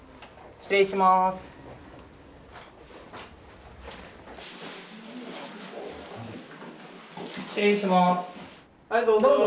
失礼します。